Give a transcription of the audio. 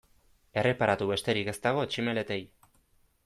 Erreparatu besterik ez dago tximeletei.